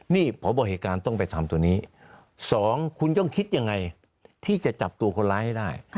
นี่พบเหตุการณ์ต้องไปทำตัวนี้๒คุณต้องคิดยังไงที่จะจับตัวคนร้ายให้ได้